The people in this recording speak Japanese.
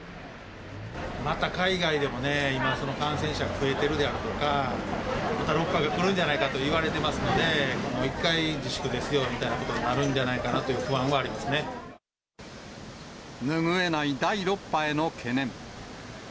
また海外でもね、今、感染者が増えてるだとか、また６波が来るんじゃないかといわれてますので、もう一回自粛ですよみたいなことになるんじゃないかという不安は拭えない第６波への懸念。